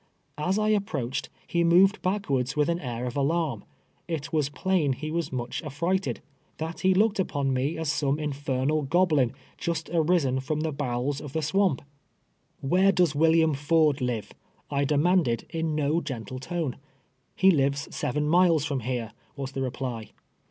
As I approached, ho moved backwards with an air of alarm. It was plain he was much affrighted — that he looked upon me as some infernal goblin, just arisen from the bowels of the swamp ! ""Where does William Ford live? " I demanded, in no gentle tone. " He lives seven miles from here," was the reply.